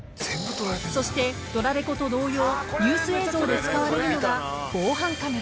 ［そしてドラレコと同様ニュース映像で使われるのが防犯カメラ］